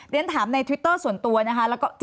เรียนถามในทวิตเตอร์ส่วนตัวนะคะ